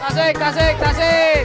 tasik tasik tasik